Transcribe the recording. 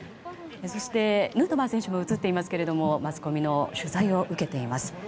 そして、ヌートバー選手も映っていますがマスコミの取材を受けています。